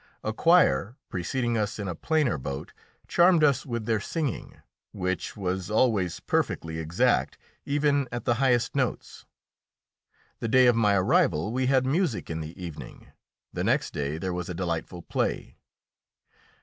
A choir, preceding us in a plainer boat, charmed us with their singing, which was always perfectly exact, even at the highest notes. The day of my arrival we had music in the evening; the next day there was a delightful play.